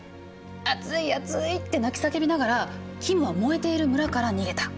「熱い熱い」って泣き叫びながらキムは燃えている村から逃げた。